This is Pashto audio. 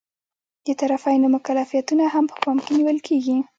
د طرفینو مکلفیتونه هم په پام کې نیول کیږي.